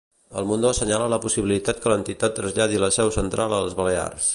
El Mundo'assenyala la possibilitat que l'entitat traslladi la seu central a les Balears.